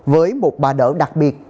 với một bà đỡ đặc biệt